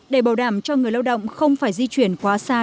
để bảo đảm cho người lao động không phải di chuyển quá xa